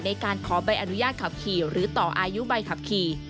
ในการขอใบอนุญาตขับขี่หรือต่ออายุใบขับขี่